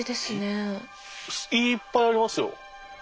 いっぱいありますよ。